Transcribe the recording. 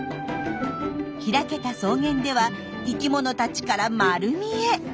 開けた草原では生きものたちから丸見え。